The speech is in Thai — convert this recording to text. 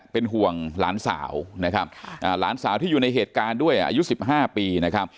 เป็นห่วงหลานสาวนะครับหลานสาวที่อยู่ในเหตุการณ์ด้วยอายุ๑๕ปีนะครับ